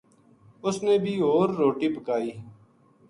اس نے بھی ہو ر روٹی پکائی